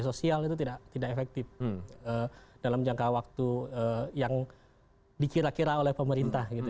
sosial itu tidak efektif dalam jangka waktu yang dikira kira oleh pemerintah gitu